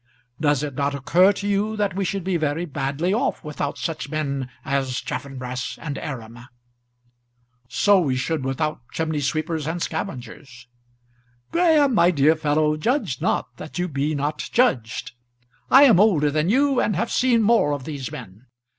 Does it not occur to you that we should be very badly off without such men as Chaffanbrass and Aram?" "So we should without chimney sweepers and scavengers." "Graham, my dear fellow, judge not that you be not judged. I am older than you, and have seen more of these men.